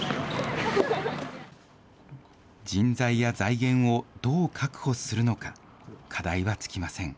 人材や財源をどう確保するのか、課題は尽きません。